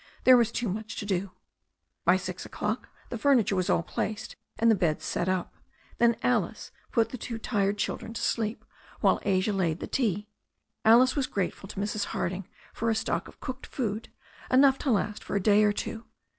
There was too much to do. By six o'clock the furniture was all placed and the beds set up. Then Alice put the two tired children to sleep while Asia laid the tea. Alice was deeply grateful to Mrs. Hard ing for a stock of cooked food, enough to Is^t for a day or two.